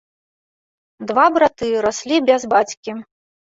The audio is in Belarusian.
Два браты, раслі без бацькі.